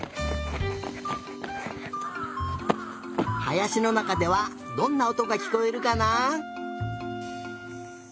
はやしのなかではどんなおとがきこえるかな？